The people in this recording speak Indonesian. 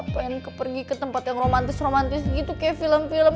pengen pergi ke tempat yang romantis romantis gitu kayak film film